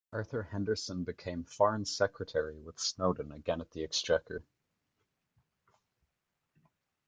Arthur Henderson became Foreign Secretary, with Snowden again at the Exchequer.